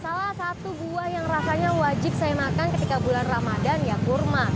salah satu buah yang rasanya wajib saya makan ketika bulan ramadan ya kurma